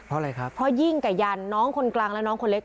เพราะอะไรครับเพราะยิ่งกับยันน้องคนกลางและน้องคนเล็ก